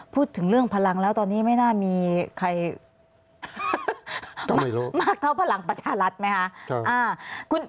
พูดถึงเรื่องพลังแล้วตอนนี้ไม่น่ามีใครมากเท่าพลังประชารัฐไหมคะ